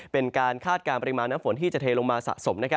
คาดการณ์ปริมาณน้ำฝนที่จะเทลงมาสะสม